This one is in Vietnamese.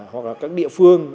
hoặc là các địa phương